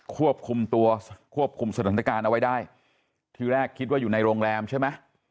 ควบคุมตัวควบคุมสถานการณ์เอาไว้ได้ที่แรกคิดว่าอยู่ในโรงแรมใช่ไหม